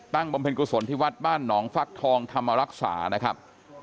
บำเพ็ญกุศลที่วัดบ้านหนองฟักทองธรรมรักษานะครับ